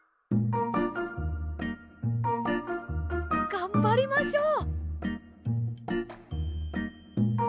がんばりましょう！